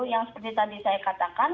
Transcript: yang seperti tadi saya katakan